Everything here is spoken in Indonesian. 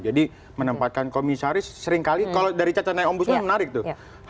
jadi menempatkan komisaris seringkali kalau dari catat naik ombusnya menarik tuh